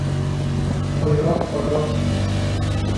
— Qulluq, qulluq.